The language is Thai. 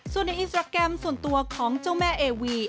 ส่วนในอินสตราแกรมส่วนตัวของเจ้าแม่เอวี